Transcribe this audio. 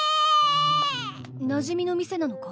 なじみの店なのか？